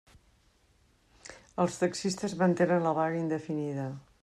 Els taxistes mantenen la vaga indefinida.